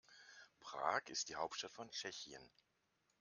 Prag ist die Hauptstadt von Tschechien.